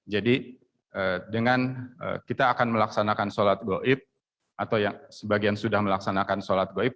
dengan kita akan melaksanakan sholat goib atau yang sebagian sudah melaksanakan sholat goib